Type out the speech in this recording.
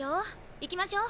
行きましょう。